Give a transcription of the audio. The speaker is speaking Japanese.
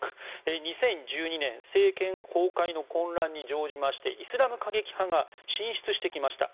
２０１２年政権崩壊の混乱に乗じましてイスラム過激派が進出してきました。